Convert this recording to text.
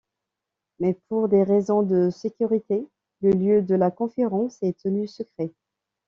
Mais, pour des raisons de sécurité, le lieu de la conférence est tenu secret.